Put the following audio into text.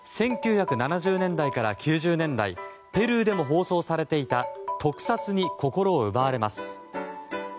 １９７０年代から９０年代ペルーでも放送されていた特撮に心奪われます。